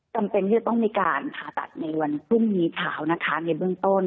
จำเป็นที่จะต้องมีการผ่าตัดในวันพรุ่งนี้เช้านะคะในเบื้องต้น